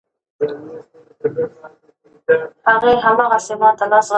هغه د خپل سیاسي ژوند کتاب ولیکه.